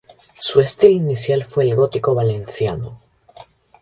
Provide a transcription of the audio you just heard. Su estilo inicial fue el gótico valenciano.